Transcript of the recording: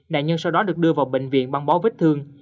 đại nhân sau đó được đưa vào bệnh viện băng bó vết thương